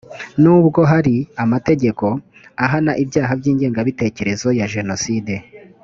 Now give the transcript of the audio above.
nubwo hari amategeko ahana ibyaha by’ingengabitekerezo ya jenoside